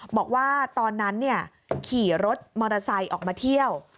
บอกว่าตอนนั้นขี่รถมอเตอร์ไซค์ออกมาเที่ยว